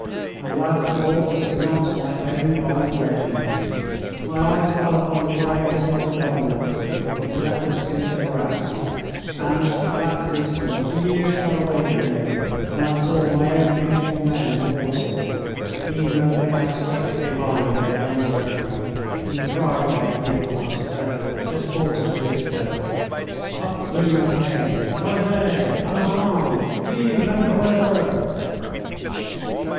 And the last of all, was it not my own old regiment? My eyes fell upon the grey and silver dolmans, with the leopard skin shabraques, and at that instant the years fell away from me and I saw my own beautiful men and horses, even as they had swept behind their young colonel, in the pride of our youth and our strength, just forty years ago. Up flew my cane. "Chargez! En avant! Vive l'Empereur!"